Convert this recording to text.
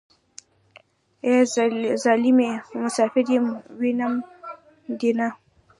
ای ظالمې مسافر يم وينم دې نه.